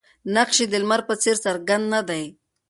نقش یې د لمر په څېر څرګند نه دی.